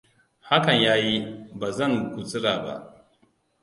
Hakan ya yi. Ba zan gutsira ba.